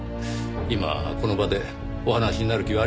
今この場でお話しになる気はありませんか？